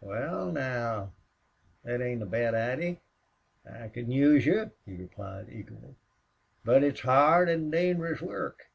"Wal, now, thet ain't a bad idee. I can use you," he replied, eagerly. "But it's hard an' dangerous work.